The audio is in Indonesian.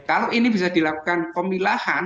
kalau ini bisa dilakukan pemilahan